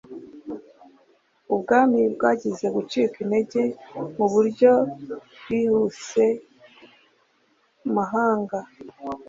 ubwami bwagize gucika intege mu buryo bwihusemahanga